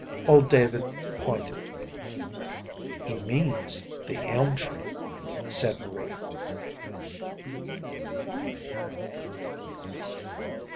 Old David pointed. "He means the elm tree," said Maria.